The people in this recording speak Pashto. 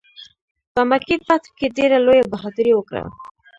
په مکې فتح کې ډېره لویه بهادري وکړه.